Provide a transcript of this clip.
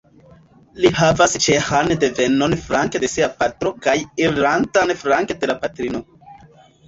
Li havas ĉeĥan devenon flanke de sia patro kaj irlandan flanke de la patrino.